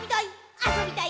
あそびたい！」